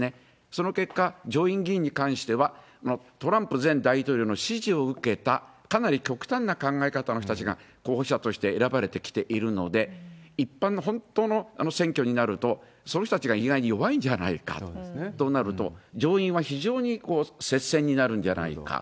その結果、上院議員に関しては、トランプ前大統領の支持を受けたかなり極端な考え方の人たちが候補者として選ばれてきているので、一般の本当の選挙になると、その人たちが意外に弱いんじゃないかとなると、上院は非常に接戦になるんじゃないか。